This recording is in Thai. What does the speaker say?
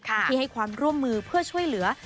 ที่ให้ความร่วมมือเพื่อช่วยเหลือ